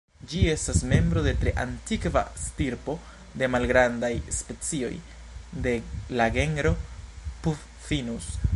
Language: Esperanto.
Ĝi estas membro de tre antikva stirpo de malgrandaj specioj de la genro "Puffinus".